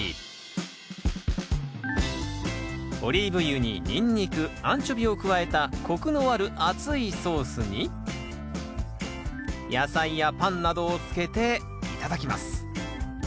オリーブ油にニンニクアンチョビを加えたコクのある熱いソースに野菜やパンなどをつけて頂きます